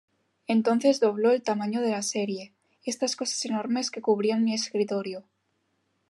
Entonces dobló el tamaño de la serie, estas cosas enormes que cubrían mi escritorio.